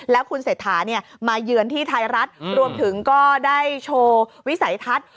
แล้วคุณเศรษฐามาเยือนที่ไทยรัฐรวมถึงก็ได้โชว์วิสัยทัศน์